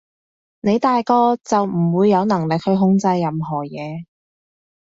你大個就唔會有能力去控制任何嘢